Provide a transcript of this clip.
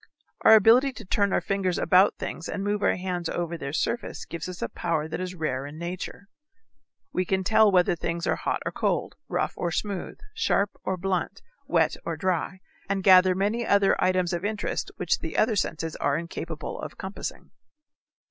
Our ability to turn our fingers about things and move our hands over their surface gives us a power that is rare in nature. We can tell whether things are hot or cold, rough or smooth, sharp or blunt, wet or dry, and gather many other items of interest which the other senses are incapable of compassing.